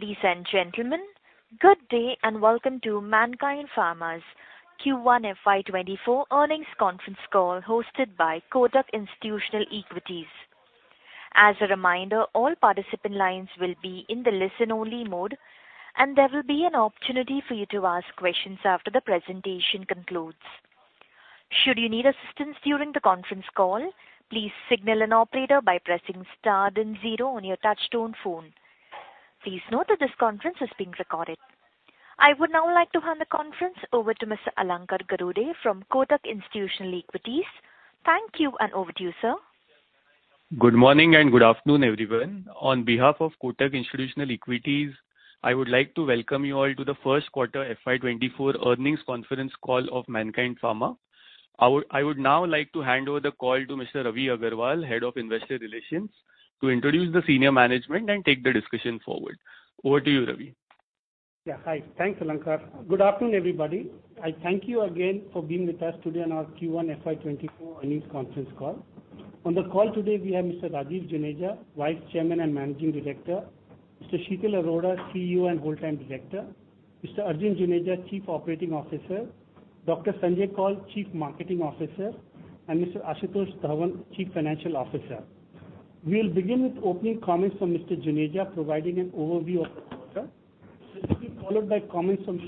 Ladies and gentlemen, good day, welcome to Mankind Pharma's Q1 FY 2024 Earnings Conference Call, hosted by Kotak Institutional Equities. As a reminder, all participant lines will be in the listen-only mode, there will be an opportunity for you to ask questions after the presentation concludes. Should you need assistance during the conference call, please signal an operator by pressing star then zero on your touch-tone phone. Please note that this conference is being recorded. I would now like to hand the conference over to Mr. Alankar Garude from Kotak Institutional Equities. Thank you, over to you, sir. Good morning and good afternoon, everyone. On behalf of Kotak Institutional Equities, I would like to welcome you all to the first quarter FY 2024 earnings conference call of Mankind Pharma. I would now like to hand over the call to Mr. Ravi Aggarwal, Head of Investor Relations, to introduce the senior management and take the discussion forward. Over to you, Ravi. Yeah. Hi. Thanks, Alankar. Good afternoon, everybody. I thank you again for being with us today on our Q1 FY 2024 earnings conference call. On the call today, we have Mr. Rajeev Juneja, Vice Chairman and Managing Director, Mr. Sheetal Arora, CEO and Whole-Time Director, Mr. Arjun Juneja, Chief Operating Officer, Dr. Sanjay Koul, Chief Marketing Officer, and Mr. Ashutosh Dhawan, Chief Financial Officer. We'll begin with opening comments from Mr. Juneja, providing an overview of the quarter. This will be followed by comments from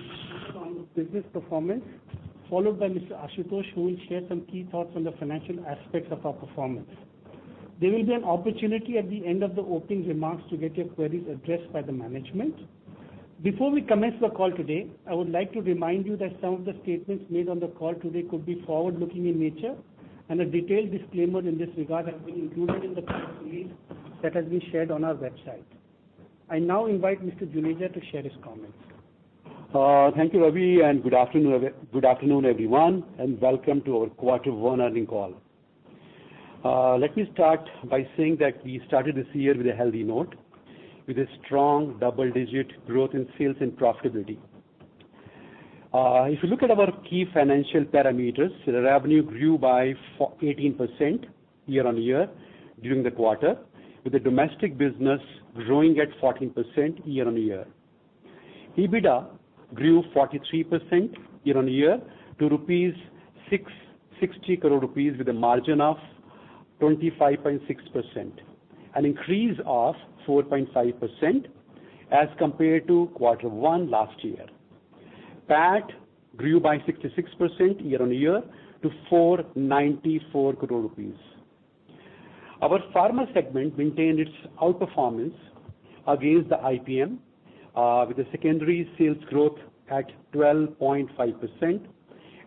on the business performance, followed by Mr. Ashutosh, who will share some key thoughts on the financial aspects of our performance. There will be an opportunity at the end of the opening remarks to get your queries addressed by the management. Before we commence the call today, I would like to remind you that some of the statements made on the call today could be forward-looking in nature. A detailed disclaimer in this regard has been included in the press release that has been shared on our website. I now invite Mr. Juneja to share his comments. Thank you, Ravi, good afternoon, everyone, and welcome to our quarter one earnings call. Let me start by saying that we started this year with a healthy note, with a strong double-digit growth in sales and profitability. If you look at our key financial parameters, the revenue grew by 18% year-on-year during the quarter, with the domestic business growing at 14% year-on-year. EBITDA grew 43% year-on-year to 660 crore rupees with a margin of 25.6%, an increase of 4.5% as compared to quarter one last year. PAT grew by 66% year-on-year to 494 crore rupees. Our pharma segment maintained its outperformance against the IPM, with the secondary sales growth at 12.5%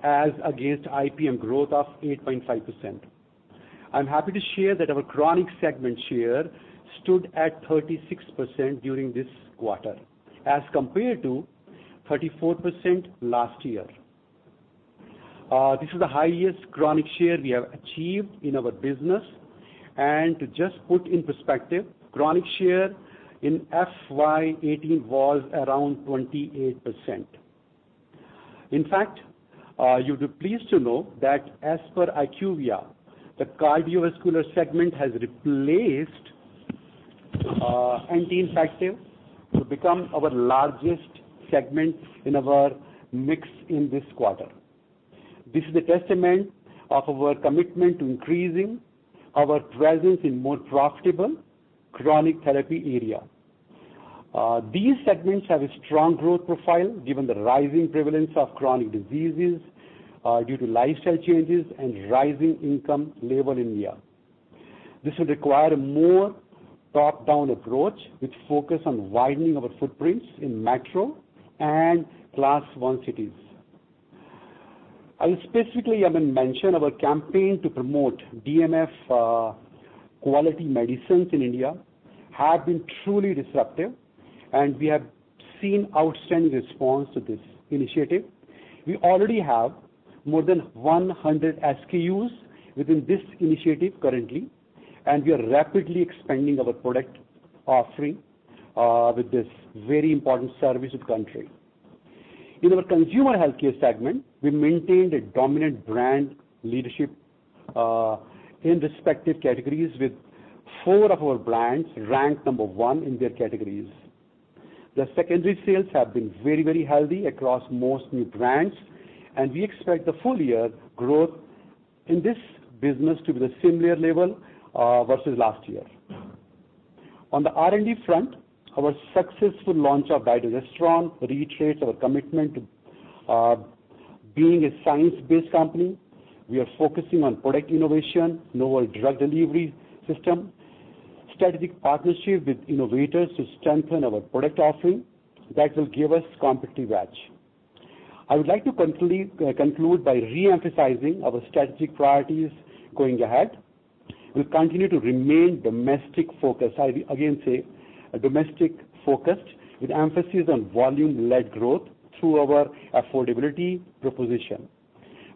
as against IPM growth of 8.5%. I'm happy to share that our Chronic segment share stood at 36% during this quarter, as compared to 34% last year. This is the highest Chronic share we have achieved in our business, and to just put in perspective, Chronic share in FY 2018 was around 28%. In fact, you'll be pleased to know that as per IQVIA, the Cardiovascular segment has replaced Anti-Infective to become our largest segment in our mix in this quarter. This is a testament of our commitment to increasing our presence in more profitable chronic therapy area. These segments have a strong growth profile, given the rising prevalence of chronic diseases due to lifestyle changes and rising income level in India. This will require a more top-down approach, which focus on widening our footprints in metro and Class 1 cities. I will specifically mention our campaign to promote DMF quality medicines in India, have been truly disruptive, and we have seen outstanding response to this initiative. We already have more than 100 SKUs within this initiative currently, and we are rapidly expanding our product offering with this very important service of country. In our Consumer Healthcare segment, we maintained a dominant brand leadership in respective categories, with four of our brands ranked number one in their categories. The secondary sales have been very, very healthy across most new brands, and we expect the full year growth in this business to be the similar level versus last year. On the R&D front, our successful launch of Biodirostrong reiterates our commitment to being a science-based company. We are focusing on product innovation, novel drug delivery system, strategic partnership with innovators to strengthen our product offering that will give us competitive edge. I would like to conclude by re-emphasizing our strategic priorities going ahead. We'll continue to remain domestic focused, I will again say, domestic focused, with emphasis on volume-led growth through our affordability proposition.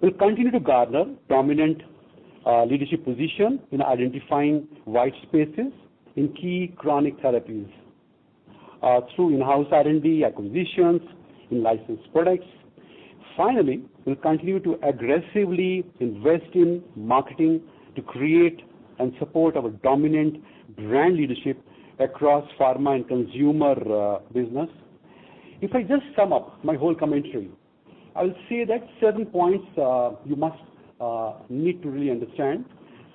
We'll continue to garner dominant leadership position in identifying white spaces in key chronic therapies through in-house R&D, acquisitions, in licensed products. Finally, we'll continue to aggressively invest in marketing to create and support our dominant brand leadership across pharma and consumer business. If I just sum up my whole commentary, I will say that certain points you must need to really understand,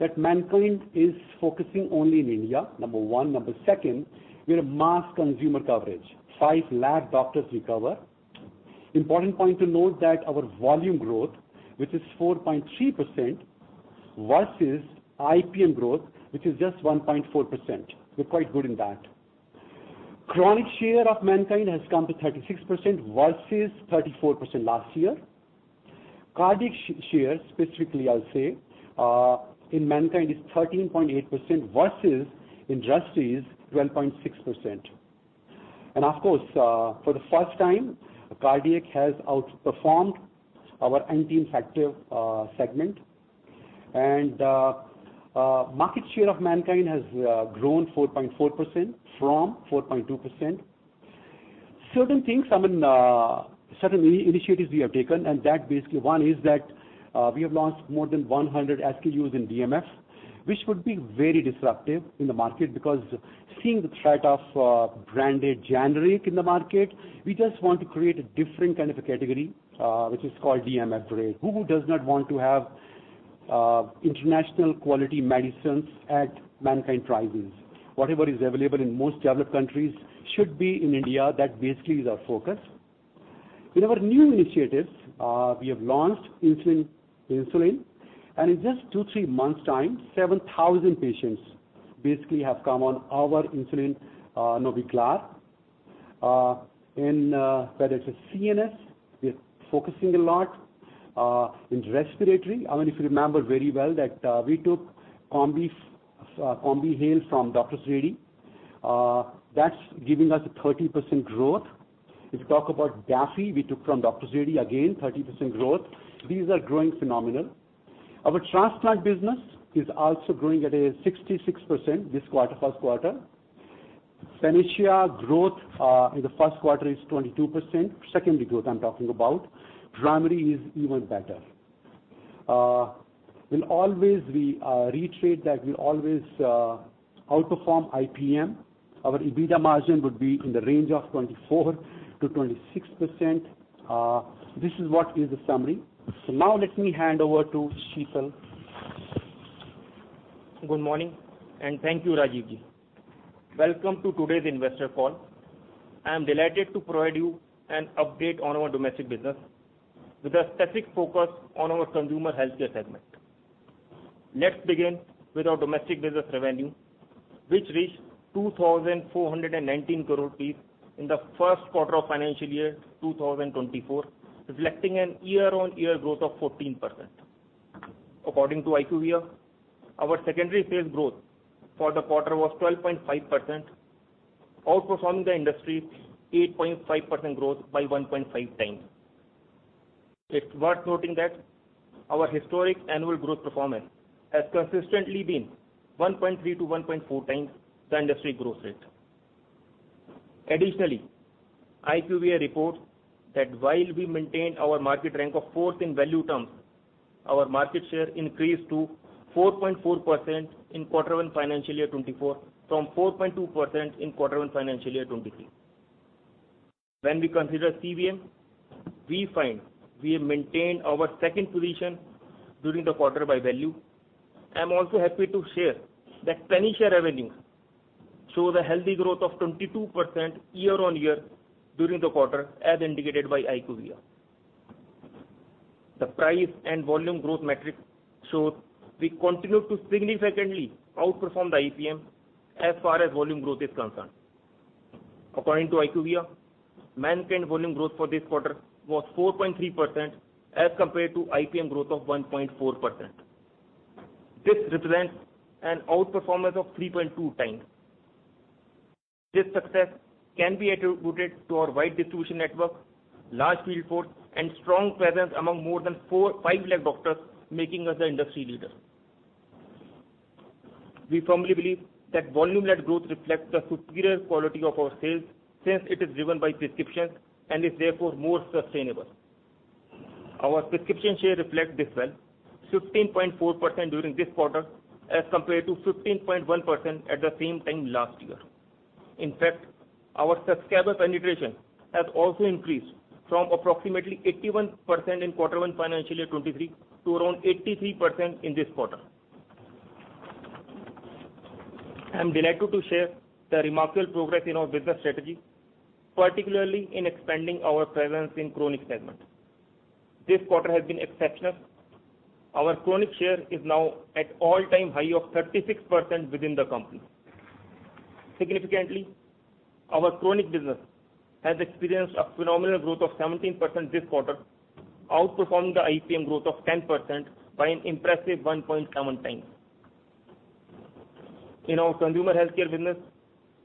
that Mankind is focusing only in India, number one. Number second, we are a mass consumer coverage, 5 lakh doctors we cover. Important point to note that our volume growth, which is 4.3% versus IPM growth, which is just 1.4%. We're quite good in that. Chronic share of Mankind has come to 36% versus 34% last year. Cardiac share, specifically, I'll say, in Mankind, is 13.8% versus industry's 12.6%. Of course, for the first time, Cardiac has outperformed our Anti-Infective segment. Market share of Mankind has grown 4.4% from 4.2%. Certain things, I mean, certain initiatives we have taken, that basically one is that, we have launched more than 100 SKUs in DMF, which would be very disruptive in the market. Seeing the threat of branded generic in the market, we just want to create a different kind of a category, which is called DMF rate. Who, who does not want to have international quality medicines at Mankind prices? Whatever is available in most developed countries should be in India. That basically is our focus. In our new initiatives, we have launched insulin, insulin, and in just two, three months' time, 7,000 patients basically have come on our insulin, Nobeglar. In, whether it's a CNS, we are focusing a lot in respiratory. I mean, if you remember very well that we took Combi, Combihale from Dr. Reddy. That's giving us a 30% growth. If you talk about Daffy, we took from Dr. Reddy, again, 30% growth. These are growing phenomenal. Our Transplant business is also growing at a 66% this quarter, first quarter. Panacea growth in the first quarter is 22%. Secondary growth, I'm talking about. Primary is even better. We reiterate that we always outperform IPM. Our EBITDA margin would be in the range of 24%-26%. This is what is the summary. Now let me hand over to Sheetal. Good morning. Thank you, Rajeev. Welcome to today's investor call. I am delighted to provide you an update on our domestic business, with a specific focus on our Consumer Healthcare segment. Let's begin with our domestic business revenue, which reached 2,419 crore rupees in the first quarter of financial year 2024, reflecting an year-on-year growth of 14%. According to IQVIA, our secondary sales growth for the quarter was 12.5%, outperforming the industry's 8.5% growth by 1.5x. It's worth noting that our historic annual growth performance has consistently been 1.3x-1.4x the industry growth rate. Additionally, IQVIA reports that while we maintained our market rank of fourth in value terms, our market share increased to 4.4% in Q1, FY 2024, from 4.2% in Q1, FY 2023. When we consider CVM, we find we have maintained our second position during the quarter by value. I'm also happy to share that Panacea revenues show the healthy growth of 22% year-on-year during the quarter, as indicated by IQVIA. The price and volume growth metrics show we continue to significantly outperform the IPM as far as volume growth is concerned. According to IQVIA, Mankind volume growth for this quarter was 4.3%, as compared to IPM growth of 1.4%. This represents an outperformance of 3.2x. This success can be attributed to our wide distribution network, large field force, and strong presence among more than 500,000 doctors, making us the industry leader. We firmly believe that volume-led growth reflects the superior quality of our sales, since it is driven by prescriptions and is therefore more sustainable. Our prescription share reflects this well, 15.4% during this quarter, as compared to 15.1% at the same time last year. In fact, our subscriber penetration has also increased from approximately 81% in quarter one, financial year 2023, to around 83% in this quarter. I'm delighted to share the remarkable progress in our business strategy, particularly in expanding our presence in Chronic segment. This quarter has been exceptional. Our Chronic share is now at all-time high of 36% within the company. Significantly, our Chronic business has experienced a phenomenal growth of 17% this quarter, outperforming the IPM growth of 10% by an impressive 1.7 times. In our Consumer Healthcare business,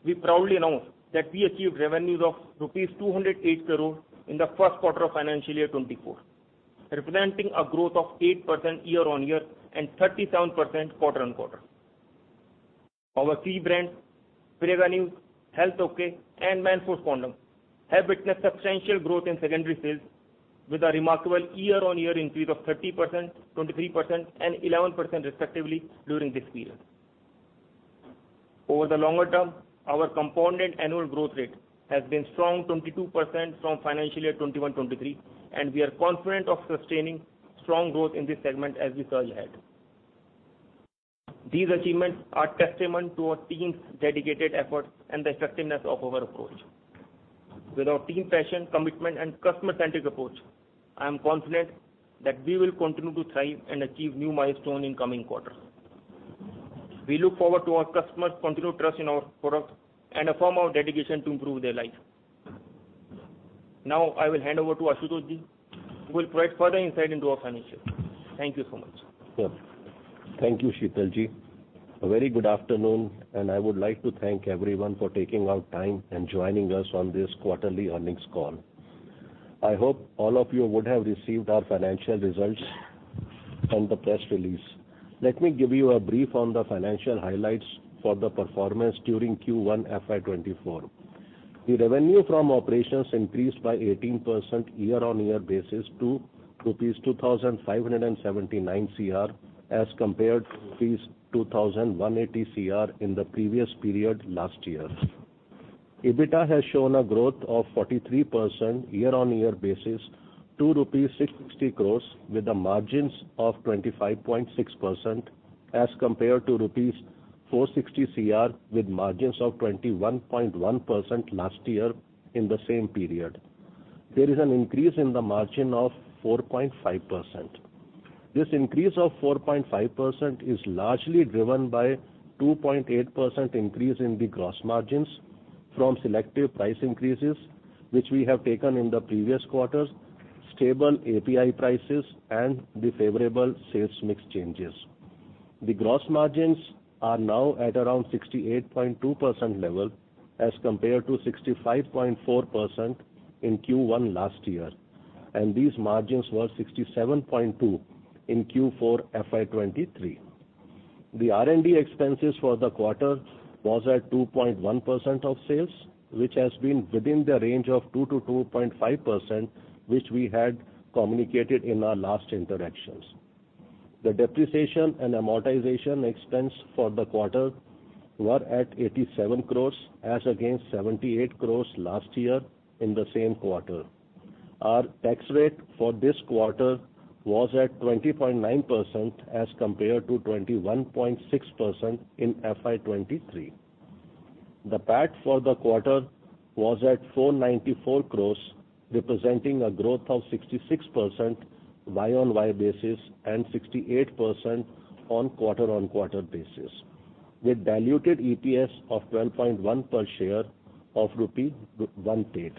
we proudly announce that we achieved revenues of rupees 208 crore in the 1st quarter of financial year 2024, representing a growth of 8% year-on-year and 37% quarter-on-quarter. Our three brands, Prega News, HealthOK and Manforce, have witnessed substantial growth in secondary sales with a remarkable year-on-year increase of 30%, 23%, and 11% respectively during this period. Over the longer term, our compounded annual growth rate has been strong 22% from financial year 2021-2023. We are confident of sustaining strong growth in this segment as we surge ahead. These achievements are testament to our team's dedicated efforts and the effectiveness of our approach. With our team passion, commitment, and customer-centric approach, I am confident that we will continue to thrive and achieve new milestone in coming quarters. We look forward to our customers' continued trust in our product and affirm our dedication to improve their life. Now I will hand over to Ashutosh Ji, who will provide further insight into our finances. Thank you so much. Sure. Thank you, Sheetal Ji. A very good afternoon, I would like to thank everyone for taking out time and joining us on this quarterly earnings call. I hope all of you would have received our financial results and the press release. Let me give you a brief on the financial highlights for the performance during Q1 FY 2024. The revenue from operations increased by 18% year-on-year basis to rupees 2,579 cr, as compared to rupees 2,180 cr in the previous period last year. EBITDA has shown a growth of 43% year-on-year basis to rupees 660 crores, with the margins of 25.6%, as compared to rupees 460 cr, with margins of 21.1% last year in the same period. There is an increase in the margin of 4.5%. This increase of 4.5% is largely driven by 2.8% increase in the gross margins from selective price increases, which we have taken in the previous quarters, stable API prices, and the favorable sales mix changes. The gross margins are now at around 68.2% level, as compared to 65.4% in Q1 last year, and these margins were 67.2 in Q4 FY 2023. The R&D expenses for the quarter was at 2.1% of sales, which has been within the range of 2%-2.5%, which we had communicated in our last interactions. The depreciation and amortization expense for the quarter were at 87 crore, as against 78 crore last year in the same quarter. Our tax rate for this quarter was at 20.9%, as compared to 21.6% in FY 2023. The PAT for the quarter was at 494 crore, representing a growth of 66% year-on-year basis and 68% on quarter-on-quarter basis, with diluted EPS of 12.1 per share of rupee 1 paisa.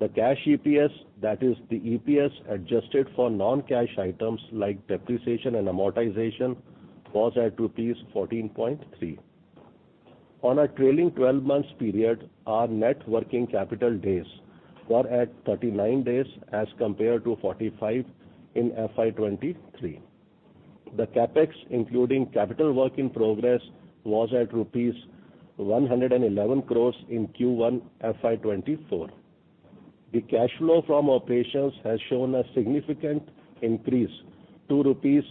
The cash EPS, that is the EPS adjusted for non-cash items like depreciation and amortization, was at rupees 14.3. On a trailing 12 months period, our net working capital days were at 39 days as compared to 45 in FY 2023. The CapEx, including capital work in progress, was at rupees 111 crore in Q1 FY 2024. The cash flow from operations has shown a significant increase to rupees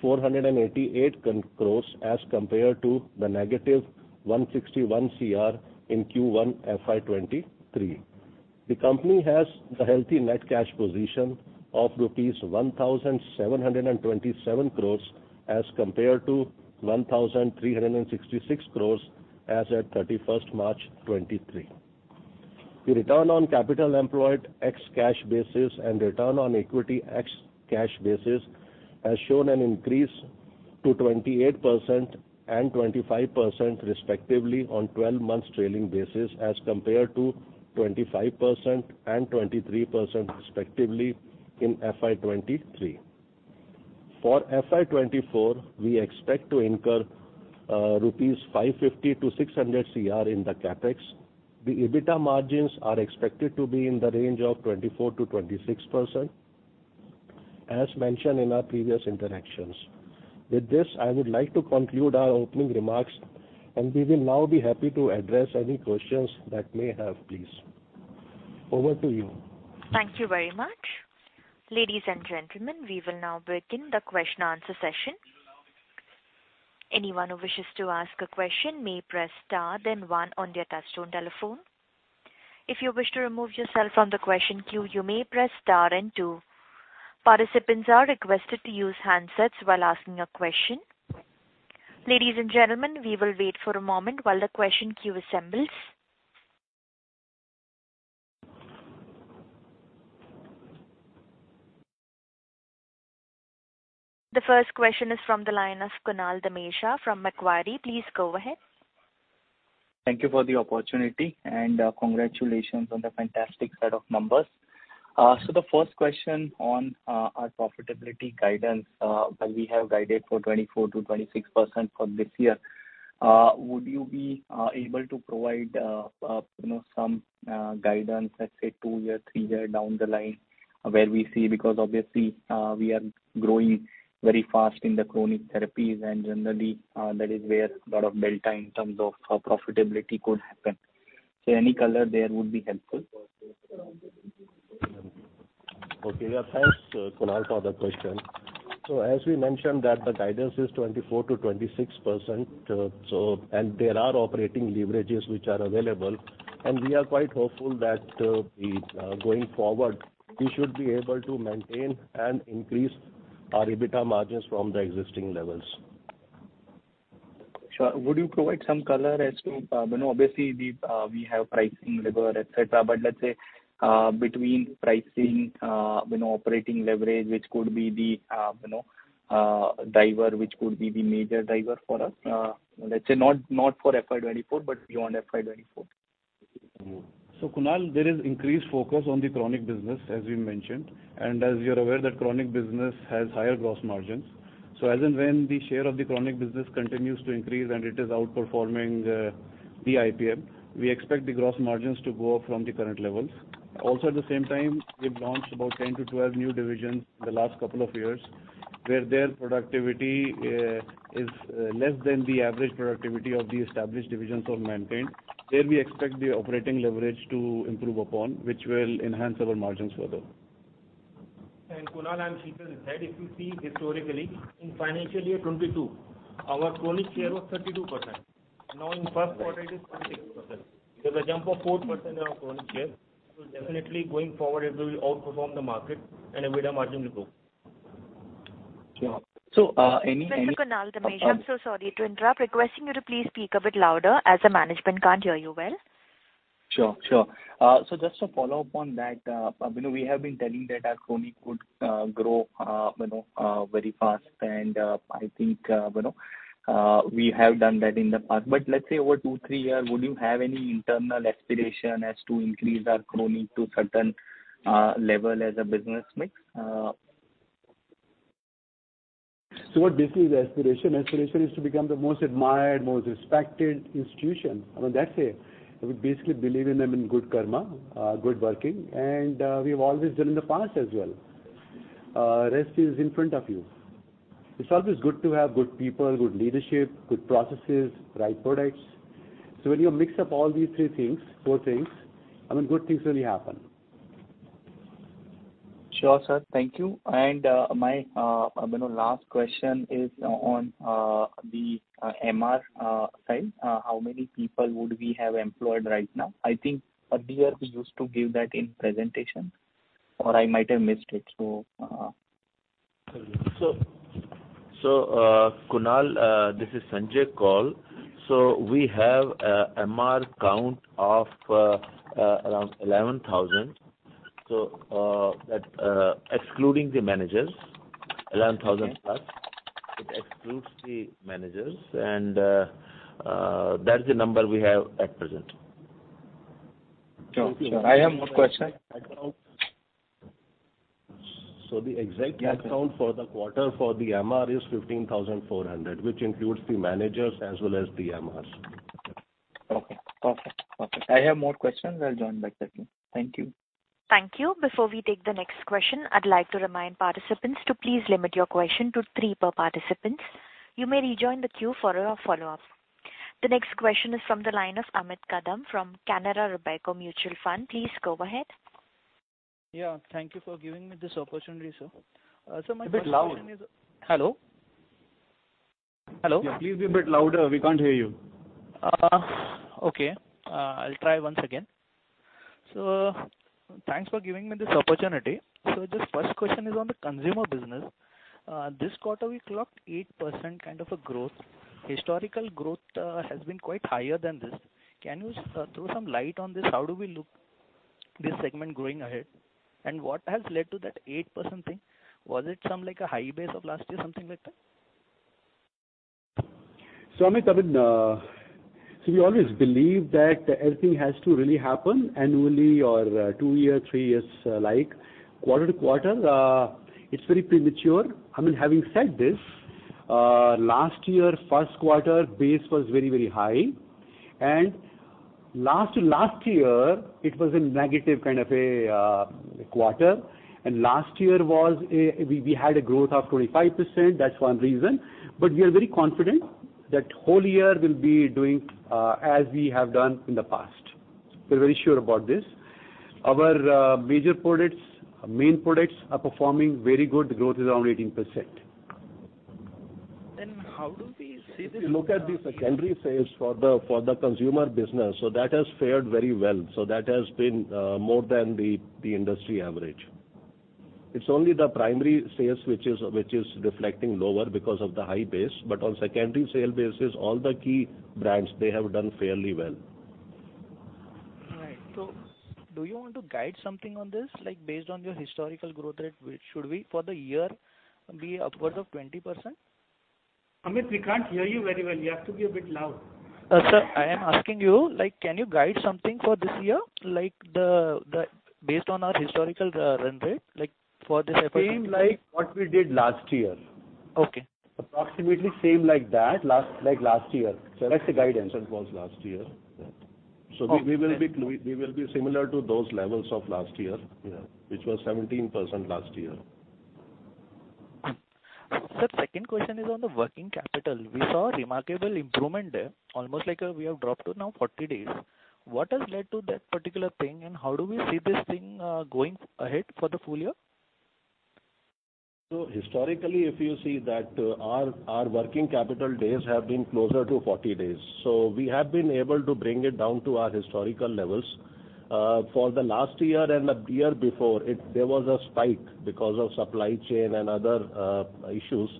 488 crore, as compared to the negative 161 crore in Q1 FY 2023. The company has a healthy net cash position of rupees 1,727 crore, as compared to 1,366 crore as at March 31st, 2023. The return on capital employed ex cash basis and return on equity ex cash basis has shown an increase to 28% and 25%, respectively, on 12 months trailing basis, as compared to 25% and 23%, respectively, in FY 2023. For FY 2024, we expect to incur rupees 550- 600 crore in the CapEx. The EBITDA margins are expected to be in the range of 24%-26%, as mentioned in our previous interactions. With this, I would like to conclude our opening remarks, and we will now be happy to address any questions that may have, please. Over to you. Thank you very much. Ladies and gentlemen, we will now begin the question-and-answer session. Anyone who wishes to ask a question may press star then one on their touch-tone telephone. If you wish to remove yourself from the question queue, you may press star and two. Participants are requested to use handsets while asking a question. Ladies and gentlemen, we will wait for a moment while the question queue assembles. The first question is from the line of Kunal Dhamesha from Macquarie. Please go ahead. Thank you for the opportunity, congratulations on the fantastic set of numbers. The first question on our profitability guidance, where we have guided for 24%-26% for this year. Would you be able to provide, you know, some guidance, let's say, two year, three year down the line where we see? Obviously, we are growing very fast in the Chronic therapies, generally, that is where a lot of delta in terms of how profitability could happen. Any color there would be helpful. Okay. Yeah, thanks, Kunal, for the question. As we mentioned, that the guidance is 24%-26%, and there are operating leverages which are available, and we are quite hopeful that going forward, we should be able to maintain and increase our EBITDA margins from the existing levels. Sure. Would you provide some color as to, you know, obviously, the, we have pricing lever, et cetera. But let's say, between pricing, you know, operating leverage, which could be the, you know, driver, which could be the major driver for us, let's say not, not for FY 2024, but beyond FY 2024. Kunal, there is increased focus on the Chronic business, as we mentioned. As you're aware, that Chronic business has higher gross margins. As and when the share of the Chronic business continues to increase and it is outperforming the IPM, we expect the gross margins to go up from the current levels. At the same time, we've launched about 10-12 new divisions in the last couple of years, where their productivity is less than the average productivity of the established divisions or maintained. There we expect the operating leverage to improve upon, which will enhance our margins further. Kunal, I'm sure you said, if you see historically, in financial year 2022, our Chronic share was 32%. Now, in the 1st quarter, it is 48%. There's a jump of 4% on Chronic share. Definitely going forward, it will outperform the market and EBITDA margin will grow. Sure. Any Mr. Kunal Dharmesh, I'm so sorry to interrupt. Requesting you to please speak a bit louder, as the management can't hear you well. Sure, sure. so just to follow up on that, you know, we have been telling that our Chronic could grow, you know, very fast. I think, you know, we have done that in the past. Let's say over two, three years, would you have any internal aspiration as to increase our Chronic to certain level as a business mix? What basically is aspiration? Aspiration is to become the most admired, most respected institution. I mean, that's it. We basically believe in good karma, good working, and we've always done in the past as well. Rest is in front of you. It's always good to have good people, good leadership, good processes, right products. When you mix up all these three things, four things, I mean, good things really happen. Sure, sir. Thank you. My, you know, last question is on the MR side. How many people would we have employed right now? I think earlier we used to give that in presentation, or I might have missed it. Kunal, this is Dr. Sanjay Koul. We have a MR count of, around 11,000. That, excluding the managers, 11,000 plus. Okay. It excludes the managers, and, that's the number we have at present. Sure. I have more question. The exact head count for the quarter for the MR is 15,400, which includes the managers as well as the MRs. Okay, perfect. Perfect. I have more questions. I'll join back later. Thank you. Thank you. Before we take the next question, I'd like to remind participants to please limit your question to three per participant. You may rejoin the queue for a follow-up. The next question is from the line of Amit Kadam from Canara Robeco Mutual Fund. Please go ahead. Yeah, thank you for giving me this opportunity, sir. My first question is. A bit loud. Hello? Hello. Yeah, please be a bit louder. We can't hear you. Okay. I'll try once again. Thanks for giving me this opportunity. The first question is on the Consumer business. This quarter, we clocked 8% kind of a growth. Historical growth has been quite higher than this. Can you throw some light on this? How do we look this segment growing ahead? What has led to that 8% thing? Was it some, like, a high base of last year, something like that? Amit, I mean, we always believe that everything has to really happen annually or two year, three years, like. Quarter to quarter, it's very premature. I mean, having said this, last year, first quarter base was very, very high. Last to last year, it was a negative kind of a quarter, and last year, we, we had a growth of 25%. That's one reason. We are very confident that whole year we'll be doing as we have done in the past. We're very sure about this. Our major products, main products are performing very good. The growth is around 18%. How do we see this? If you look at the secondary sales for the, for the consumer business, that has fared very well. That has been more than the industry average. It's only the primary sales which is, which is reflecting lower because of the high base. On secondary sale basis, all the key brands, they have done fairly well. Right. Do you want to guide something on this? Like, based on your historical growth rate, which should we, for the year, be upwards of 20%? Amit, we can't hear you very well. You have to be a bit loud. Sir, I am asking you, like, can you guide something for this year, like based on our historical run rate, like, for this effort? Same like what we did last year. Okay. Approximately same like that, like last year. That's the guidance. It was last year. Okay. We, we will be, we will be similar to those levels of last year. Yeah which was 17% last year. Sir, second question is on the working capital. We saw a remarkable improvement there, almost like, we have dropped to now 40 days. What has led to that particular thing, and how do we see this thing, going ahead for the full year? Historically, if you see that, our, our working capital days have been closer to 40 days. We have been able to bring it down to our historical levels. For the last year and the year before, there was a spike because of supply chain and other issues.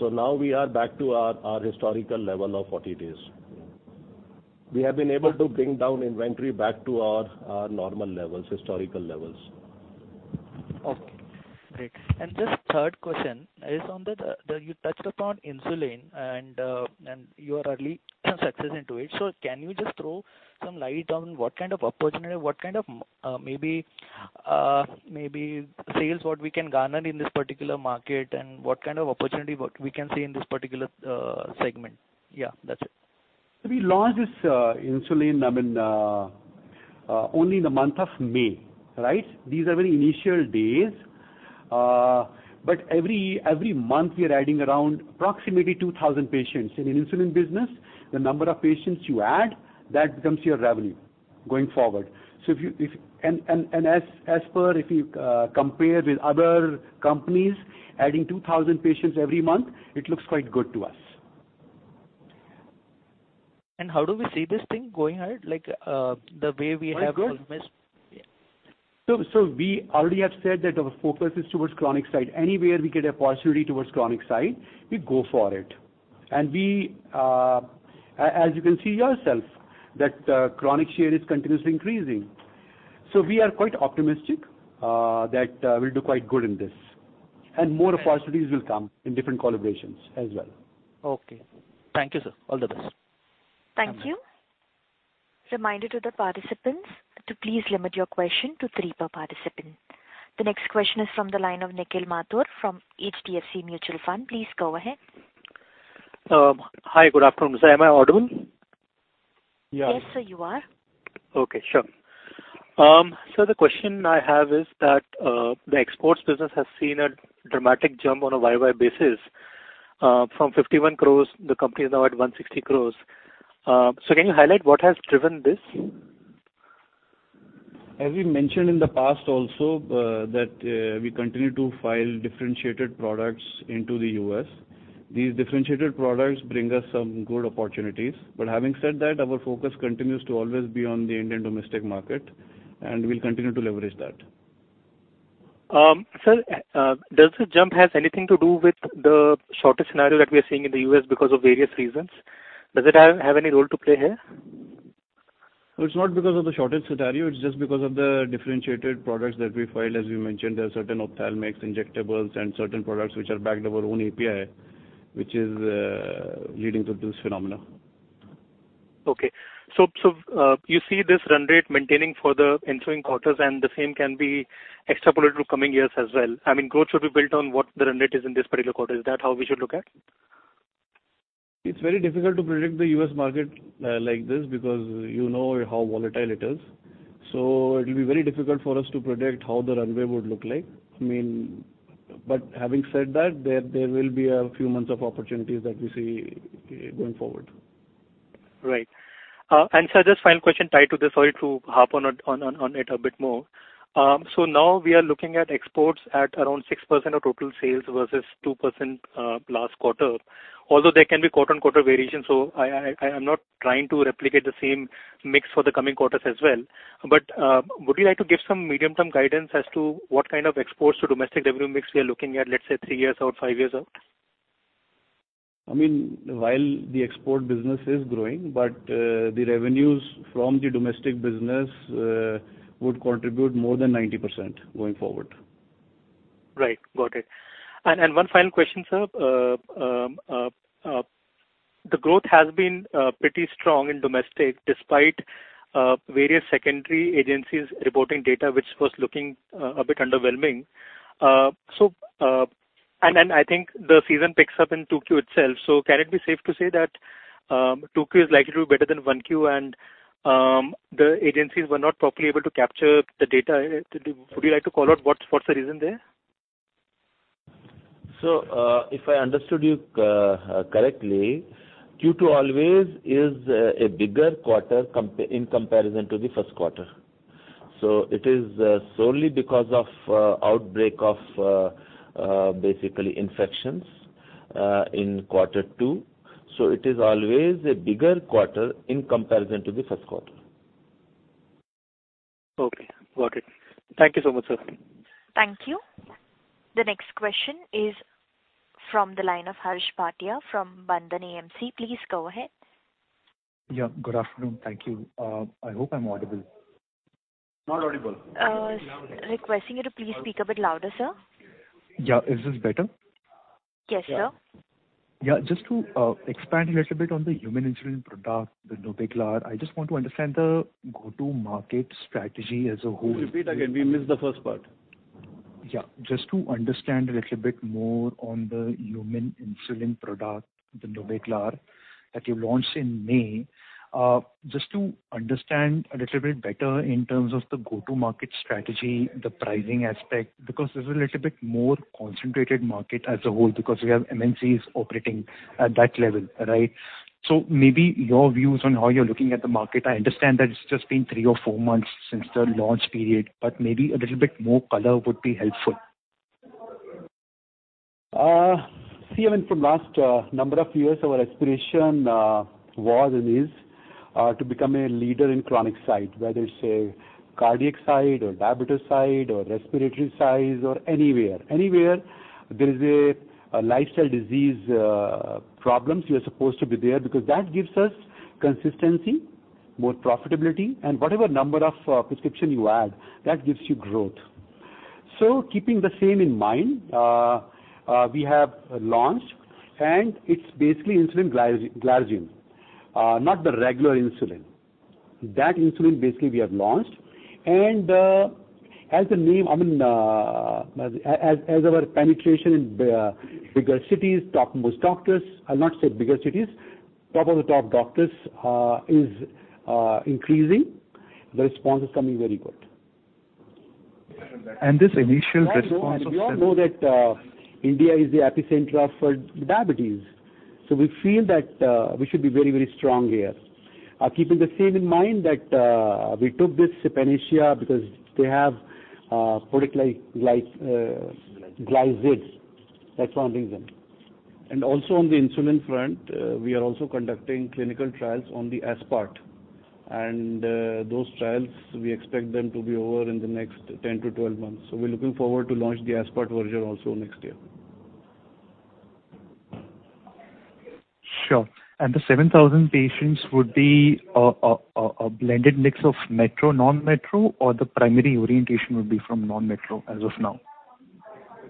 Now we are back to our, our historical level of 40 days. We have been able to bring down inventory back to our, our normal levels, historical levels. Okay, great. Just third question is on the... You touched upon insulin and, and you are early success into it. Can you just throw some light on what kind of opportunity, what kind of, maybe, maybe sales, what we can garner in this particular market, and what kind of opportunity what we can see in this particular segment? Yeah, that's it. We launched this insulin, I mean, only in the month of May, right? These are very initial days, but every, every month, we are adding around approximately 2,000 patients. In an insulin business, the number of patients you add, that becomes your revenue going forward. If you compare with other companies, adding 2,000 patients every month, it looks quite good to us. How do we see this thing going ahead? Like, the way we have- Quite good. Yeah. We already have said that our focus is towards Chronic side. Anywhere we get a possibility towards Chronic side, we go for it. We, as you can see yourself, that, Chronic share is continuously increasing. We are quite optimistic, that, we'll do quite good in this. More opportunities will come in different collaborations as well. Okay. Thank you, sir. All the best. Thank you. Reminder to the participants to please limit your question to three per participant. The next question is from the line of Nikhil Mathur from HDFC Mutual Fund. Please go ahead. Hi, good afternoon, sir. Am I audible? Yeah. Yes, sir, you are. Okay, sure. The question I have is that the Exports business has seen a dramatic jump on a Y-on-Y basis, from 51 crores, the company is now at 160 crores. Can you highlight what has driven this? As we mentioned in the past also, that, we continue to file differentiated products into the U.S. These differentiated products bring us some good opportunities. Having said that, our focus continues to always be on the Indian domestic market, and we'll continue to leverage that. Sir, does the jump has anything to do with the shortage scenario that we are seeing in the U.S. because of various reasons? Does it have any role to play here? It's not because of the shortage scenario, it's just because of the differentiated products that we filed. As we mentioned, there are certain ophthalmics, injectables, and certain products which are backed our own API, which is leading to this phenomena. Okay. You see this run rate maintaining for the ensuing quarters, and the same can be extrapolated to coming years as well. I mean, growth should be built on what the run rate is in this particular quarter. Is that how we should look at it? It's very difficult to predict the U.S. market, like this because you know how volatile it is. It will be very difficult for us to predict how the runway would look like. I mean. Having said that, there will be a few months of opportunities that we see going forward. Right. Sir, just final question tied to this. Sorry to harp on it a bit more. Now we are looking at Exports at around 6% of total sales versus 2% last quarter. Although there can be quarter-on-quarter variation, so I, I, I am not trying to replicate the same mix for the coming quarters as well. Would you like to give some medium-term guidance as to what kind of Exports to domestic revenue mix we are looking at, let's say, three years out, five years out? I mean, while the Export business is growing, but the revenues from the domestic business would contribute more than 90% going forward. Right. Got it. One final question, sir. The growth has been pretty strong in domestic despite various secondary agencies reporting data, which was looking a bit underwhelming. Then I think the season picks up in 2Q itself. Can it be safe to say that 2Q is likely to be better than 1Q, and the agencies were not properly able to capture the data? Would you like to call out what, what's the reason there? If I understood you correctly, Q2 always is a bigger quarter in comparison to the first quarter. It is solely because of outbreak of basically infections in quarter two. It is always a bigger quarter in comparison to the first quarter. Okay. Got it. Thank you so much, sir. Thank you. The next question is from the line of Harsh Bhatia from Bandhan AMC. Please go ahead. Yeah, good afternoon. Thank you. I hope I'm audible. Not audible. Requesting you to please speak a bit louder, sir. Yeah. Is this better? Yes, sir. Yeah. Just to expand a little bit on the human insulin product, the Nobeglar, I just want to understand the go-to-market strategy as a whole. Repeat again, we missed the first part. Yeah. Just to understand a little bit more on the human insulin product, the Nobeglar, that you launched in May. Just to understand a little bit better in terms of the go-to-market strategy, the pricing aspect, because there's a little bit more concentrated market as a whole, because we have MNCs operating at that level, right? Maybe your views on how you're looking at the market. I understand that it's just been three or four months since the launch period, but maybe a little bit more color would be helpful. See, even from last number of years, our aspiration was and is to become a leader in Chronic side, whether it's a cardiac side or diabetes side or respiratory side or anywhere. Anywhere there is a lifestyle disease problems, we are supposed to be there, because that gives us consistency, more profitability, and whatever number of prescription you add, that gives you growth. Keeping the same in mind, we have launched, and it's basically insulin glar- glargine, not the regular insulin. That insulin, basically, we have launched. As the name, I mean, as, as our penetration in the bigger cities, top most doctors, I'll not say bigger cities, top of the top doctors, is increasing, the response is coming very good. This initial response. We all know that India is the epicenter of diabetes. We feel that we should be very, very strong here. Keeping the same in mind that, we took this Panacea because they have product like Glizides. That's one reason. Also on the insulin front, we are also conducting clinical trials on the Aspart. Those trials, we expect them to be over in the next 10-12 months. We're looking forward to launch the Aspart version also next year. Sure. And the 7,000 patients would be a blended mix of metro, non-metro, or the primary orientation would be from non-metro as of now?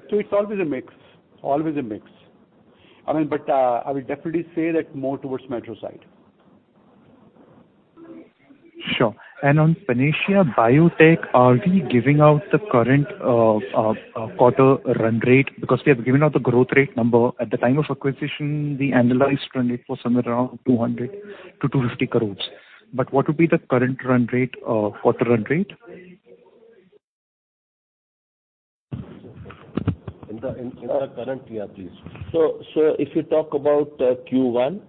It's always a mix. Always a mix. I mean, I will definitely say that more towards metro side. Sure. On Panacea Biotec, are we giving out the current quarter run rate? We have given out the growth rate number. At the time of acquisition, the annualized run rate was somewhere around 200 crore-250 crore. What would be the current run rate, quarter run rate? In the current year, please. So if you talk about Q1,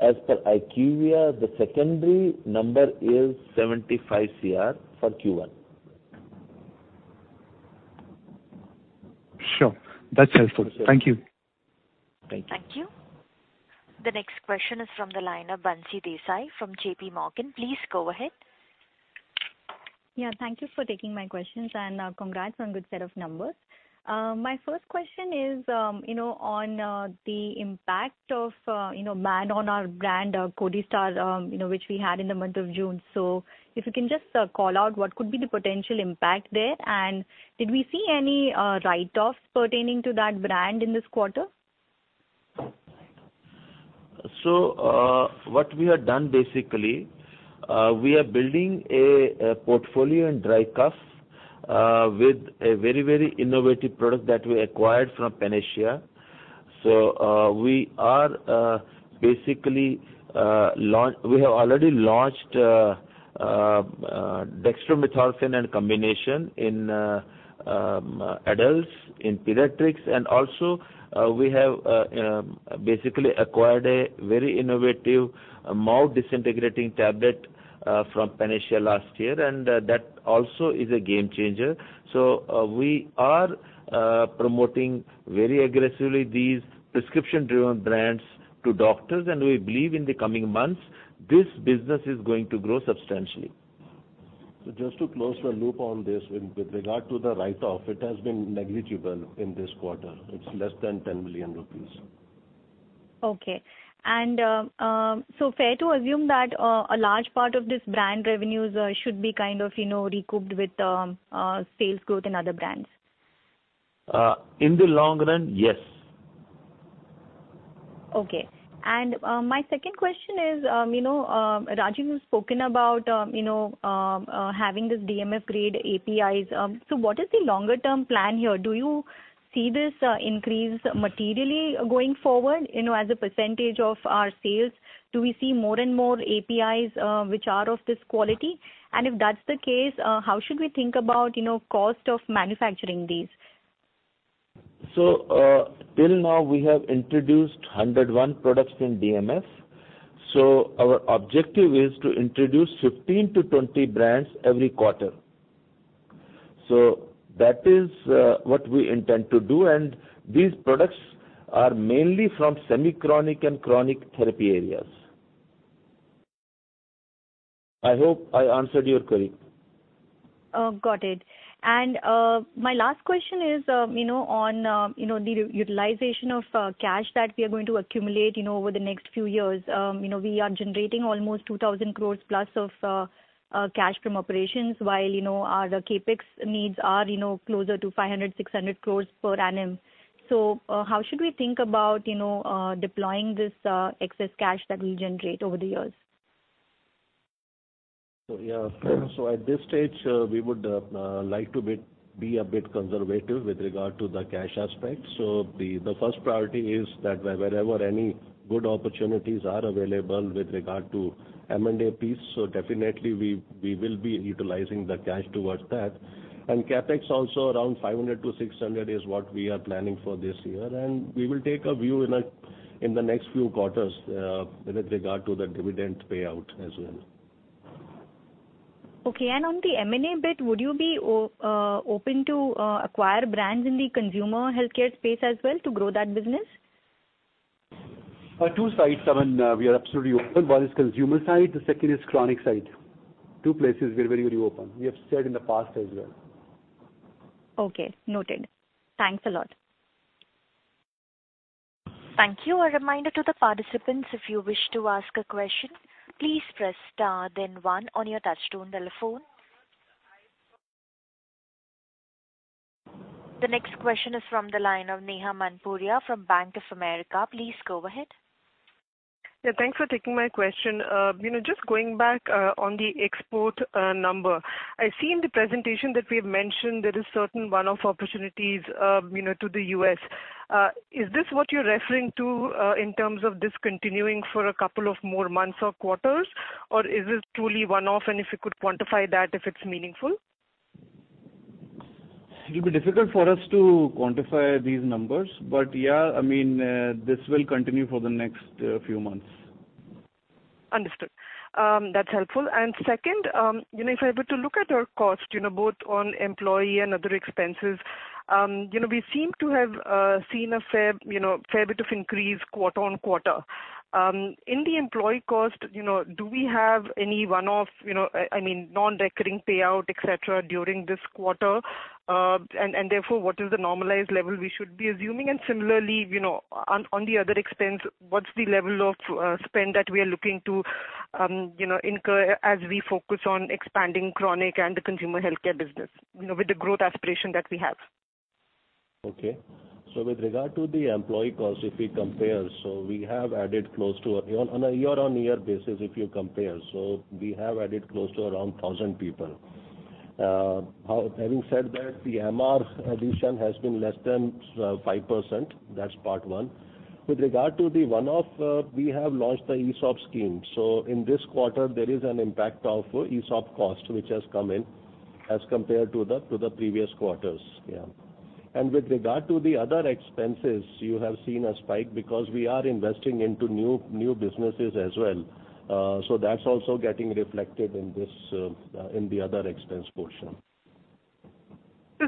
as per IQVIA, the secondary number is 75 crore for Q1. Sure. That's helpful. Thank you. Thank you. Thank you. The next question is from the line of Bansi Desai from JPMorgan. Please go ahead. Thank you for taking my questions, and congrats on good set of numbers. My first question is, you know, on the impact of, you know, ban on our brand, Codistar, you know, which we had in the month of June. If you can just call out what could be the potential impact there, and did we see any write-offs pertaining to that brand in this quarter? What we have done basically, we are building a portfolio in dry cough with a very, very innovative product that we acquired from Panacea. We have already launched Dextromethorphan and combination in adults, in pediatrics, and also we have basically acquired a very innovative orally disintegrating tablet from Panacea last year, and that also is a game changer. We are promoting very aggressively these prescription-driven brands to doctors, and we believe in the coming months, this business is going to grow substantially. Just to close the loop on this, with regard to the write-off, it has been negligible in this quarter. It's less than 10 million rupees. Okay. Fair to assume that a large part of this brand revenues should be kind of, you know, recouped with sales growth in other brands? in the long run, yes. Okay. My second question is, you know, Rajeev, you've spoken about, you know, having this DMF grade APIs. So what is the longer term plan here? Do you see this increase materially going forward, you know, as a percentage of our sales? Do we see more and more APIs, which are of this quality? And if that's the case, how should we think about, you know, cost of manufacturing these? Till now, we have introduced 101 products in DMF. Our objective is to introduce 15-20 brands every quarter. That is what we intend to do, and these products are mainly from semi-chronic and chronic therapy areas. I hope I answered your query. Oh, got it. My last question is, you know, on, you know, the utilization of cash that we are going to accumulate, you know, over the next few years. You know, we are generating almost 2,000 crore+ of cash from operations, while, you know, our CapEx needs are, you know, closer to 500-600 crore per annum. How should we think about, you know, deploying this excess cash that we generate over the years? Yeah. At this stage, we would like to be a bit conservative with regard to the cash aspect. The first priority is that wherever any good opportunities are available with regard to M&A piece, definitely we will be utilizing the cash towards that. CapEx also around 500-600 crore is what we are planning for this year, we will take a view in the next few quarters with regard to the dividend payout as well. Okay, on the M&A bit, would you be open to acquire brands in the Consumer Healthcare space as well to grow that business? Two sides, we are absolutely open. One is consumer side, the second is Chronic side. Two places we're very, very open. We have said in the past as well. Okay, noted. Thanks a lot. Thank you. A reminder to the participants, if you wish to ask a question, please press star then one on your touch-tone telephone. The next question is from the line of Neha Manpuria from Bank of America. Please go ahead. Yeah, thanks for taking my question. You know, just going back on the Export number, I see in the presentation that we have mentioned there is certain one-off opportunities, you know, to the U.S.. Is this what you're referring to in terms of this continuing for a couple of more months or quarters? Or is this truly one-off, and if you could quantify that, if it's meaningful? It'll be difficult for us to quantify these numbers, but yeah, I mean, this will continue for the next few months. Understood. That's helpful. Second, you know, if I were to look at our cost, you know, both on employee and other expenses, you know, we seem to have seen a fair, you know, fair bit of increase quarter-on-quarter. In the employee cost, you know, do we have any one-off, you know, I mean, non-recurring payout, et cetera, during this quarter? Therefore, what is the normalized level we should be assuming? Similarly, you know, on, on the other expense, what's the level of spend that we are looking to, you know, incur as we focus on expanding Chronic and the Consumer Healthcare business, you know, with the growth aspiration that we have? Okay. With regard to the employee cost, if we compare, so we have added close to on a year-on-year basis, if you compare, so we have added close to around 1,000 people. Having said that, the MR addition has been less than 5%. That's part one. With regard to the one-off, we have launched the ESOP scheme, so in this quarter, there is an impact of ESOP cost, which has come in as compared to the, to the previous quarters. Yeah. With regard to the other expenses, you have seen a spike because we are investing into new, new businesses as well. That's also getting reflected in this, in the other expense portion.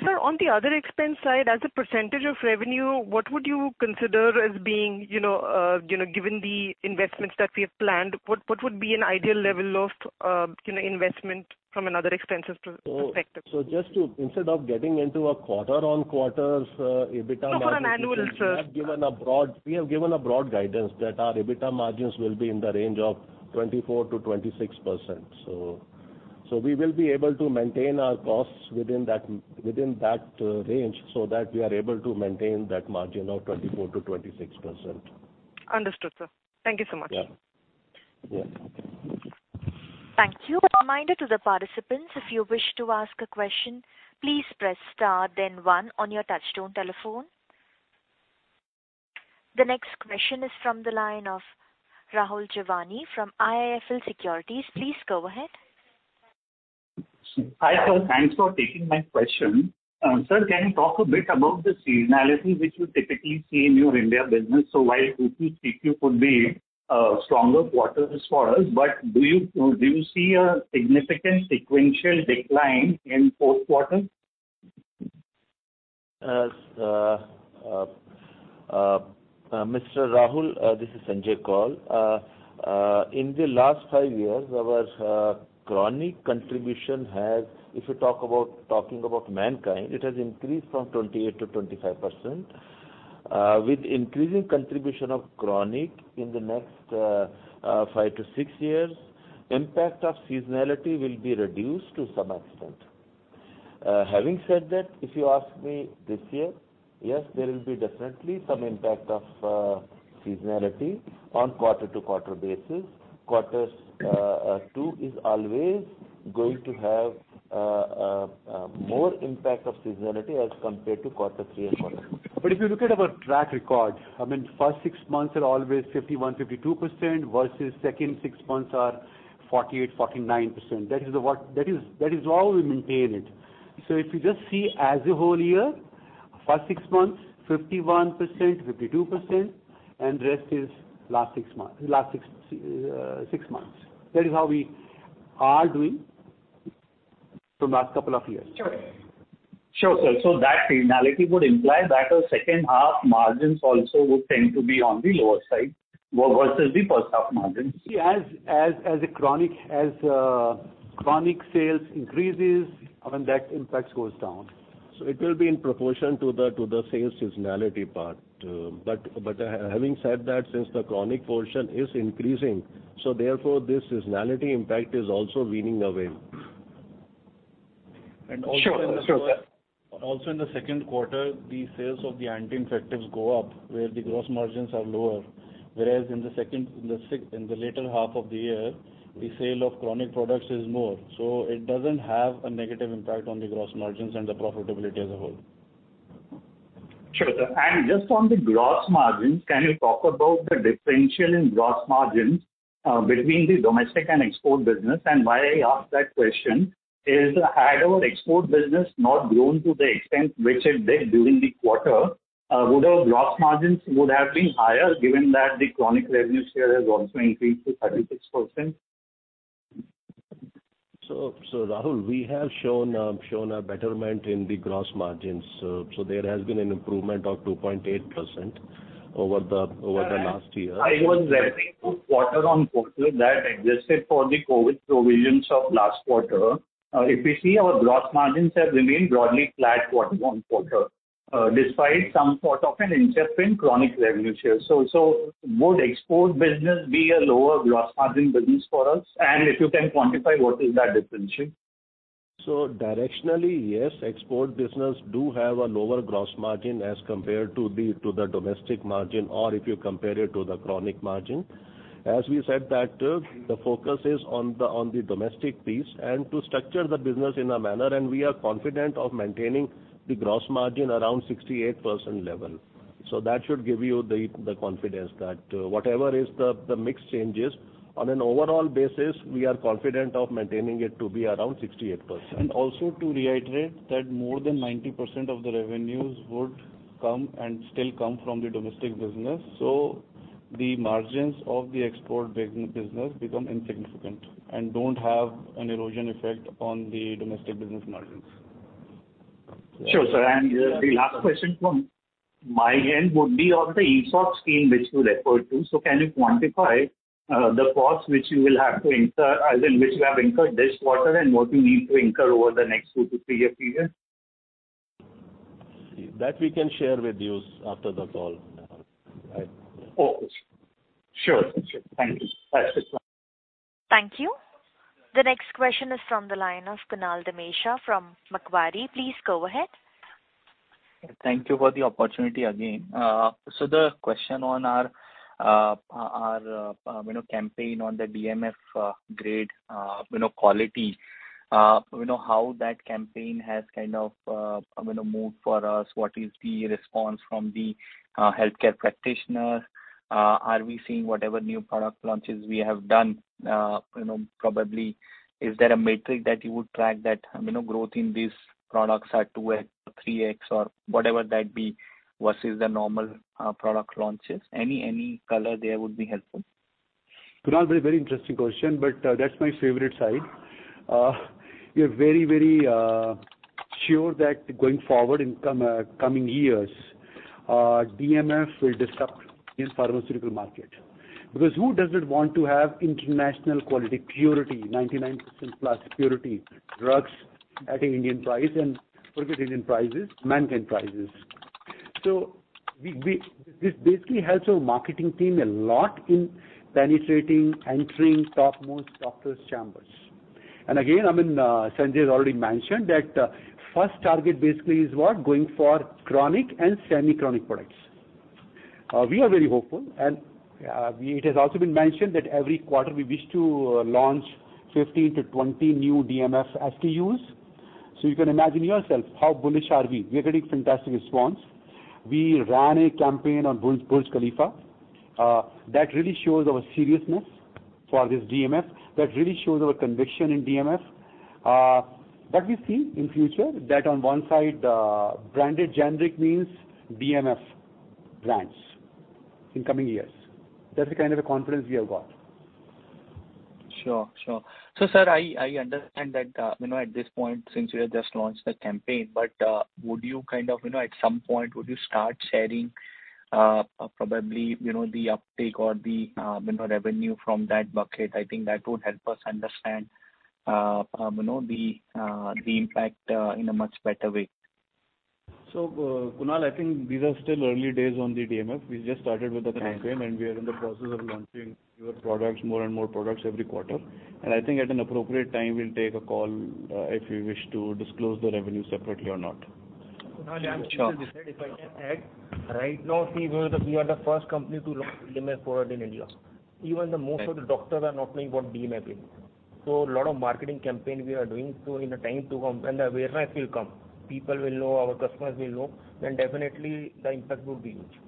Sir, on the other expense side, as a percentage of revenue, what would you consider as being, you know, you know, given the investments that we have planned, what, what would be an ideal level of, you know, investment from another expenses perspective? Just to... Instead of getting into a quarter-on-quarter, EBITDA... No, for an annual, sir. We have given a broad, we have given a broad guidance that our EBITDA margins will be in the range of 24%-26%. So we will be able to maintain our costs within that, within that, range, so that we are able to maintain that margin of 24%-26%. Understood, sir. Thank you so much. Yeah. Yeah. Thank you. A reminder to the participants, if you wish to ask a question, please press star then one on your touch-tone telephone. The next question is from the line of Rahul Jeewani from IIFL Securities. Please go ahead. Hi, sir. Thanks for taking my question. Sir, can you talk a bit about the seasonality which you typically see in your India business? While Q2, Q3 could be stronger quarters for us, but do you, do you see a significant sequential decline in fourth quarter? Mr. Rahul, this is Sanjay Koul. In the last five years, our Chronic contribution has, if you talk about, talking about Mankind, it has increased from 28%-25%. With increasing contribution of Chronic in the next five to six years, impact of seasonality will be reduced to some extent. Having said that, if you ask me this year, yes, there will be definitely some impact of seasonality on quarter-to-quarter basis. Quarters two is always going to have a more impact of seasonality as compared to quarter three and four. If you look at our track record, I mean, first six months are always 51%-52%, versus second six months are 48%-49%. That is, that is how we maintain it. If you just see as a whole year, first six months, 51%, 52%, and rest is last six months, last six months. That is how we are doing for last couple of years. Sure. Sure, sir. That seasonality would imply that our second half margins also would tend to be on the lower side, versus the first half margins. Yeah, as a Chronic sales increases, I mean, that impact goes down. It will be in proportion to the, to the sales seasonality part. But, but, having said that, since the Chronic portion is increasing, so therefore, this seasonality impact is also weaning away. Sure, sure, sir. Also in the second quarter, the sales of the infectives go up, where the gross margins are lower, whereas in the latter half of the year, the sale of Chronic products is more, so it doesn't have a negative impact on the gross margins and the profitability as a whole. Sure, sir. Just on the gross margins, can you talk about the differential in gross margins between the domestic and Export business? Why I ask that question, had our Export business not grown to the extent which it did during the quarter, would our gross margins would have been higher, given that the Chronic revenue share has also increased to 36%? Rahul, we have shown, shown a betterment in the gross margins, so there has been an improvement of 2.8% over the, over the last year. I was referring to quarter on quarter that adjusted for the COVID provisions of last quarter. If you see, our gross margins have remained broadly flat quarter on quarter, despite some sort of an incipient Chronic revenue share. Would Export business be a lower gross margin business for us? If you can quantify, what is that differential? Directionally, yes, Export business do have a lower gross margin as compared to the, to the domestic margin, or if you compare it to the Chronic margin. As we said, that the focus is on the, on the domestic piece, and to structure the business in a manner, and we are confident of maintaining the gross margin around 68% level. That should give you the, the confidence that whatever is the, the mix changes, on an overall basis, we are confident of maintaining it to be around 68%. Also to reiterate that more than 90% of the revenues would come and still come from the domestic business. The margins of the Export business become insignificant and don't have an erosion effect on the domestic business margins. Sure, sir. The last question from my end would be on the ESOP scheme, which you referred to. Can you quantify the cost which you will have to incur, as in which you have incurred this quarter, and what you need to incur over the next two to three-year period? That we can share with you after the call. Oh, sure. Sure. Thank you. Thank you. The next question is from the line of Kunal Dhamesha from Macquarie. Please go ahead. Thank you for the opportunity again. So the question on our, our, you know, campaign on the DMF grade, you know, quality, you know, how that campaign has kind of, you know, moved for us? What is the response from the healthcare practitioner? Are we seeing whatever new product launches we have done, you know, probably is there a metric that you would track that, you know, growth in these products are 2x or 3x or whatever that be, versus the normal product launches? Any, any color there would be helpful. Kunal, very, very interesting question, that's my favorite side. We are very, very sure that going forward in coming years, DMF will disrupt the pharmaceutical market. Who doesn't want to have international quality purity, 99% plus purity drugs at an Indian price, and forget Indian prices, maintained prices. We, this basically helps our marketing team a lot in penetrating, entering topmost doctors' chambers. Again, I mean, Sanjay has already mentioned that first target basically is what? Going for Chronic and Semi-Chronic products. We are very hopeful, and it has also been mentioned that every quarter we wish to launch 15-20 new DMF SKUs. You can imagine yourself, how bullish are we? We are getting fantastic response. We ran a campaign on Burj, Burj Khalifa, that really shows our seriousness for this DMF, that really shows our conviction in DMF. What we see in future, that on one side, branded generic means DMF brands in coming years. That's the kind of a confidence we have got. Sure, sure. Sir, I, I understand that, you know, at this point, since you have just launched the campaign, but, would you kind of, you know, at some point, would you start sharing, probably, you know, the uptake or the, you know, revenue from that bucket? I think that would help us understand, you know, the, the impact, in a much better way. Kunal, I think these are still early days on the DMF. We just started with the campaign- Sure. We are in the process of launching newer products, more and more products every quarter. I think at an appropriate time, we'll take a call, if we wish to disclose the revenue separately or not. Sure. If I can add, right now, we are the first company to launch DMF product in India. Even the most of the doctors are not knowing what DMF is. A lot of marketing campaign we are doing, so in a time to come, when the awareness will come, people will know, our customers will know, then definitely the impact would be huge,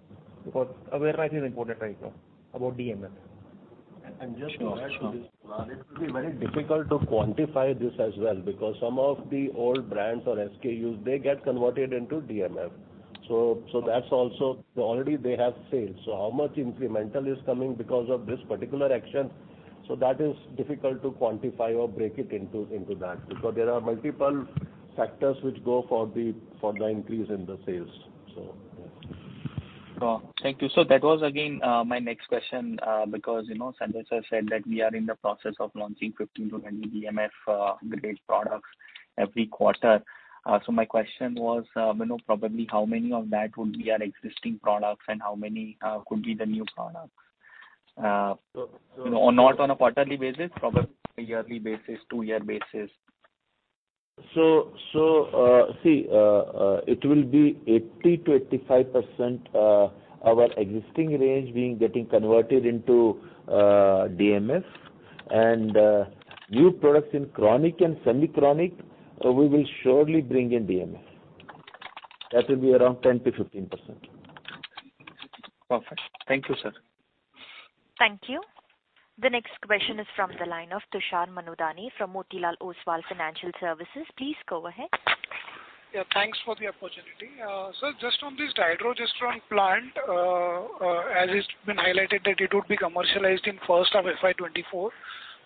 because awareness is important right now about DMF. Just to add to this, it will be very difficult to quantify this as well, because some of the old brands or SKUs, they get converted into DMF. Already they have sales. How much incremental is coming because of this particular action? That is difficult to quantify or break it into, into that, because there are multiple factors which go for the increase in the sales. Yeah. Well, thank you. That was again, my next question, because, you know, Sanjay sir said that we are in the process of launching 15-20 DMF grade products every quarter. My question was, you know, probably how many of that would be our existing products and how many could be the new products? Not on a quarterly basis, probably a yearly basis, two-year basis. See, it will be 80%-85% our existing range being getting converted into DMF and new products in Chronic and Semi-Chronic, we will surely bring in DMF. That will be around 10%-15%. Perfect. Thank you, sir. Thank you. The next question is from the line of Tushar Manudhane from Motilal Oswal Financial Services. Please go ahead. Yeah, thanks for the opportunity. Sir, just on this Dydrogesterone plant, as it's been highlighted, that it would be commercialized in 1st of FY 2024,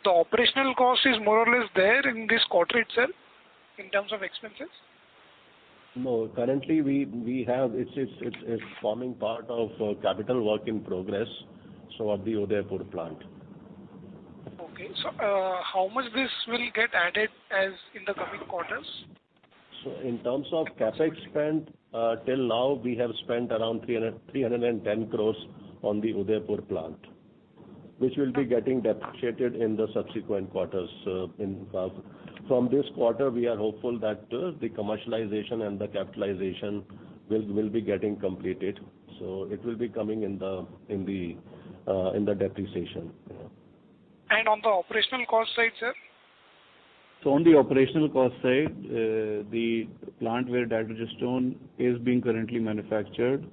the operational cost is more or less there in this quarter itself, in terms of expenses? No, currently we have it's forming part of capital work in progress, so of the Udaipur plant. Okay. How much this will get added as in the coming quarters? In terms of CapEx spend, till now, we have spent around 310 crore on the Udaipur plant, which will be getting depreciated in the subsequent quarters, in fact. From this quarter, we are hopeful that the commercialization and the capitalization will be getting completed, so it will be coming in the depreciation. Yeah. On the operational cost side, sir? On the operational cost side, the plant where Dydrogesterone is being currently manufactured,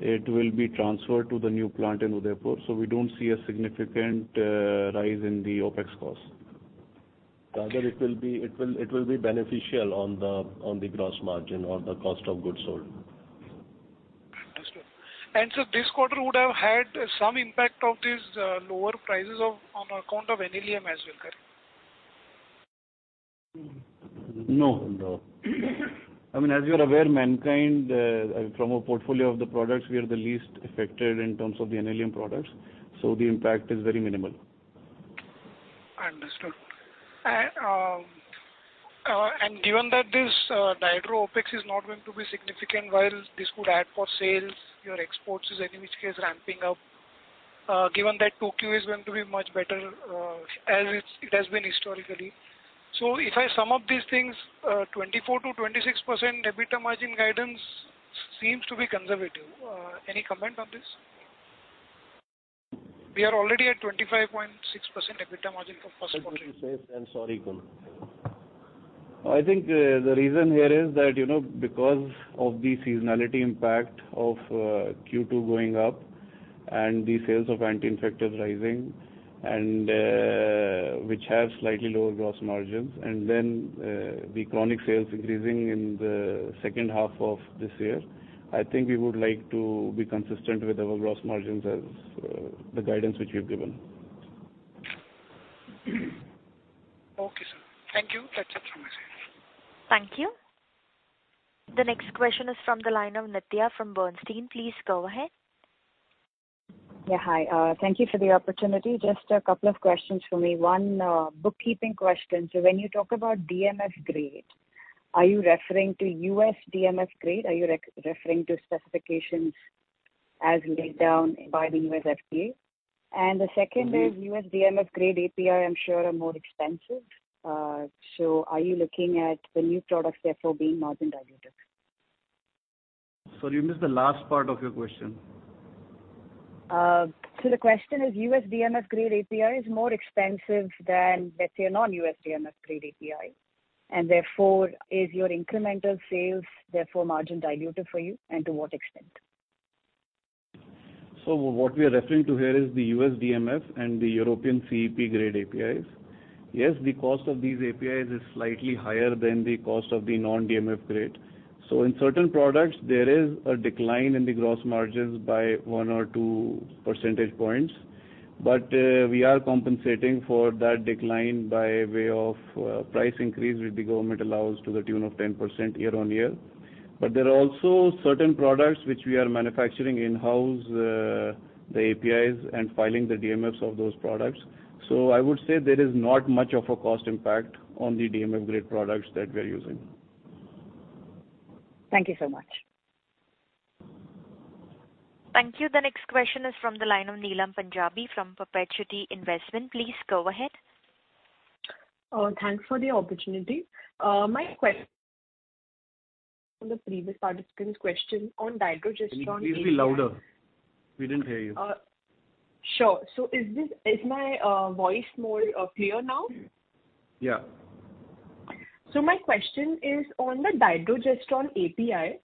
it will be transferred to the new plant in Udaipur, so we don't see a significant rise in the OpEx cost. Rather, it will be, it will, it will be beneficial on the, on the gross margin or the cost of goods sold. Understood. So this quarter would have had some impact of these, lower prices of, on account of analium as well, correct? No, no. I mean, as you are aware, Mankind, from a portfolio of the products, we are the least affected in terms of the Anthelium products, so the impact is very minimal. Understood. Given that this dihydro OpEx is not going to be significant, while this could add for sales, your Exports is, in which case, ramping up, given that Tokyo is going to be much better, as it has been historically. If I sum up these things, 24%-26% EBITDA margin guidance seems to be conservative. Any comment on this? We are already at 25.6% EBITDA margin for first quarter. I'm sorry, Kunal. I think, the reason here is that, you know, because of the seasonality impact of Q2 going up and the sales of Anti-Infectives rising, and which have slightly lower gross margins, and then, the Chronic sales increasing in the second half of this year, I think we would like to be consistent with our gross margins as the guidance which we've given. Okay, sir. Thank you. That's it from my side. Thank you. The next question is from the line of Nithya from Bernstein. Please go ahead. Yeah, hi. Thank you for the opportunity. Just a couple of questions for me. One, bookkeeping question: so when you talk about DMF grade, are you referring to U.S. DMF grade? Are you referring to specifications as laid down by the U.S. FDA? The second is, U.S. DMF grade API, I'm sure, are more expensive. Are you looking at the new products therefore being margin dilutive? Sorry, we missed the last part of your question. The question is, U.S. DMF grade API is more expensive than, let's say, a non-U.S. DMF grade API, and therefore, is your incremental sales therefore margin dilutive for you, and to what extent? What we are referring to here is the U.S. DMF and the European CEP grade APIs. Yes, the cost of these APIs is slightly higher than the cost of the non-DMF grade. In certain products, there is a decline in the gross margins by 1 or 2 percentage points, but we are compensating for that decline by way of price increase, which the government allows to the tune of 10% year on year. There are also certain products which we are manufacturing in-house, the APIs, and filing the DMFs of those products. I would say there is not much of a cost impact on the DMF grade products that we are using. Thank you so much. Thank you. The next question is from the line of Neelam Punjabi from Perpetuity Investment. Please go ahead. Thanks for the opportunity. From the previous participant's question on Dydrogesterone. Please be louder. We didn't hear you. Sure. Is my voice more clear now? Yeah. My question is on the Dydrogesterone API.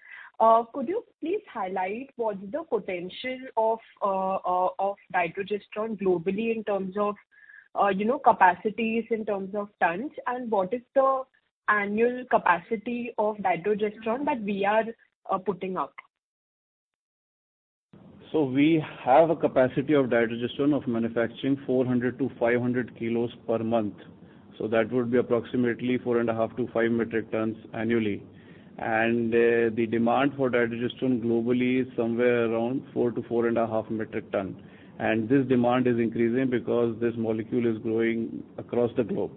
Could you please highlight what's the potential of Dydrogesterone globally in terms of, you know, capacities, in terms of tons, and what is the annual capacity of Dydrogesterone that we are putting out? We have a capacity of Dydrogesterone of manufacturing 400-500 kg per month, so that would be approximately 4.5-5 metric tons annually. The demand for Dydrogesterone globally is somewhere around 4-4.5 metric ton. This demand is increasing because this molecule is growing across the globe.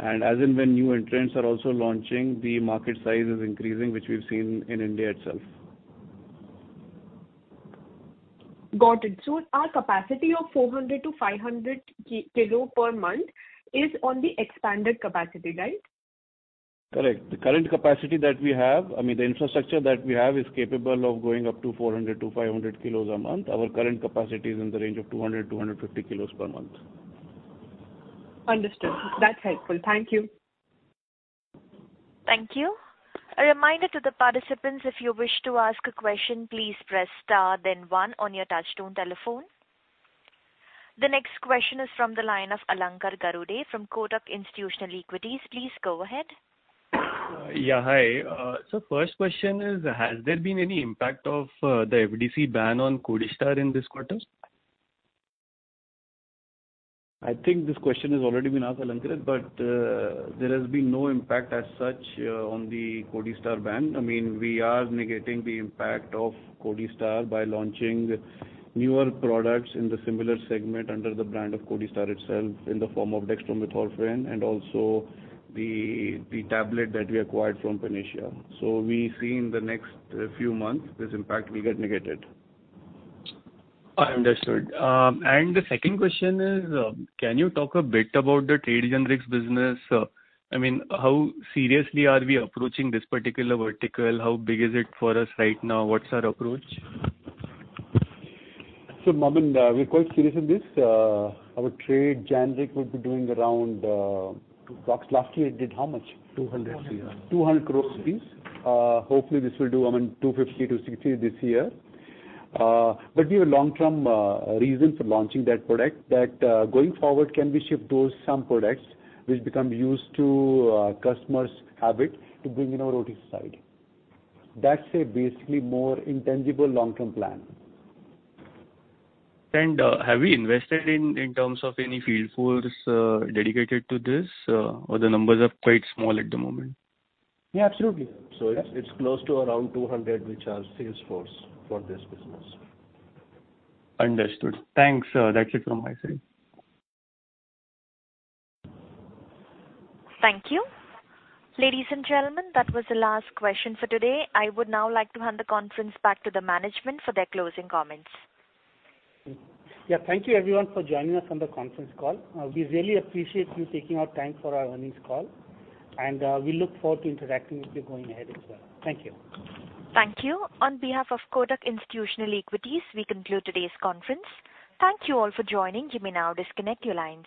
As and when new entrants are also launching, the market size is increasing, which we've seen in India itself. Got it. Our capacity of 400-500 kilo per month is on the expanded capacity, right? Correct. The current capacity that we have, I mean, the infrastructure that we have, is capable of going up to 400-500 kilos a month. Our current capacity is in the range of 200, 250 kilos per month. Understood. That's helpful. Thank you. Thank you. A reminder to the participants, if you wish to ask a question, please press star then one on your touch-tone telephone. The next question is from the line of Alankar Garude from Kotak Institutional Equities. Please go ahead. Yeah, hi. First question is, has there been any impact of the FDC ban on Codistar in this quarter? I think this question has already been asked, Alankar, but there has been no impact as such on the Codistar ban. I mean, we are negating the impact of Codistar by launching newer products in the similar segment under the brand of Codistar itself, in the form of dextromethorphan and also the, the tablet that we acquired from Panacea. We see in the next few months, this impact will get negated. I understood. The second question is, can you talk a bit about the trade generics business? I mean, how seriously are we approaching this particular vertical? How big is it for us right now? What's our approach? Momin, we're quite serious in this. Our trade generic will be doing around. Last year it did how much? 200. 200 crore. Hopefully this will do around 250 crore-260 crore this year. We have a long-term reason for launching that product, that, going forward, can be shipped to some products which become used to customers' habit to bring in our Rotich side. That's a basically more intangible long-term plan. Have we invested in, in terms of any field force, dedicated to this? Or the numbers are quite small at the moment. Yeah, absolutely. It's close to around 200, which are sales force for this business. Understood. Thanks, that's it from my side. Thank you. Ladies and gentlemen, that was the last question for today. I would now like to hand the conference back to the management for their closing comments. Yeah, thank you everyone for joining us on the conference call. We really appreciate you taking out time for our earnings call, and we look forward to interacting with you going ahead as well. Thank you. Thank you. On behalf of Kotak Institutional Equities, we conclude today's conference. Thank you all for joining. You may now disconnect your lines.